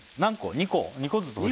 ２個ずつ？